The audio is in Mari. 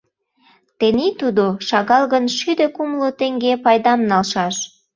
Тений тудо, шагал гын, шӱдӧ кумло теҥге пайдам налшаш.